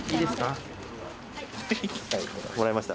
「もらいました」